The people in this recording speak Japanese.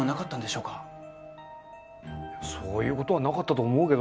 そういうことはなかったと思うけど。